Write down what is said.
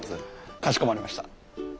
かしこまりました。